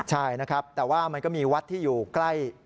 ใช่นะครับแต่ว่ามันก็มีวัดที่อยู่ใกล้